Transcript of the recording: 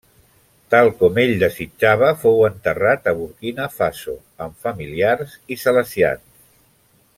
Tal com ell desitjava, fou enterrat a Burkina Faso amb familiars i salesians.